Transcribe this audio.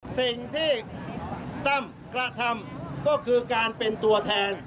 สิ่งที่ตั้มกระทำก็คือการเป็นตัวแทน